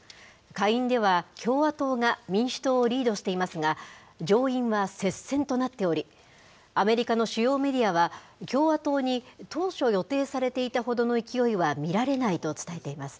下院では共和党が民主党をリードしていますが、上院は接戦となっており、アメリカの主要メディアは、共和党に当初予定されていたほどの勢いは見られないと伝えています。